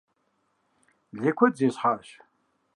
Лей куэд зесхьащ.